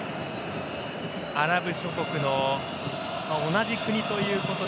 アラブ諸国の同じ国ということで